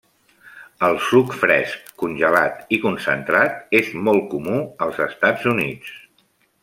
El suc fresc, congelat i concentrat és molt comú als Estats Units.